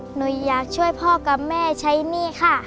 หนูอยากช่วยพ่อกับแม่ใช้หนี้ค่ะ